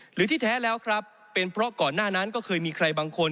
หรือที่แท้แล้วครับเป็นเพราะก่อนหน้านั้นก็เคยมีใครบางคน